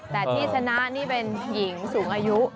แต่ที่ชนะนี่เป็นหญิงสูงอายุ